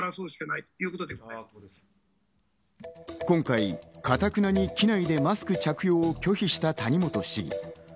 今回、かたくなに機内でマスクの着用を拒否した谷本市議。